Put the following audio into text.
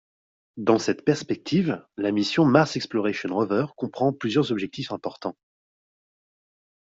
Dans cette perspective la mission Mars Exploration Rover comprend plusieurs objectifs importants.